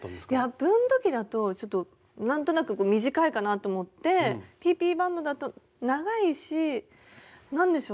分度器だとちょっと何となく短いかなと思ってＰＰバンドだと長いし何でしょう。